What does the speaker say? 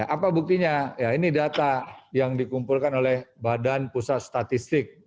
apa buktinya ya ini data yang dikumpulkan oleh badan pusat statistik